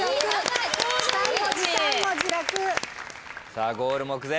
さあゴール目前。